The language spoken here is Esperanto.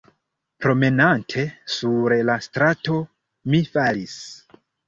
Promenante sur la strato, mi falis.